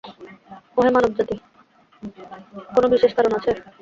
কোন বিশেষ কারণ আছে?